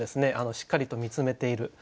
しっかりと見つめている。